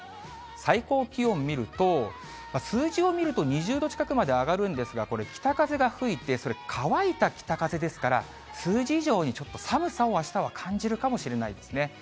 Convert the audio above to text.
最高気温見ると、数字を見ると２０度近くまで上がるんですが、これ、北風が吹いて、それ乾いた北風ですから、数字以上にちょっと寒さをあしたは感じるかもしれないですね。